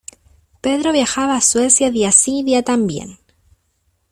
Pedro viajaba a Suecia día sí, día también.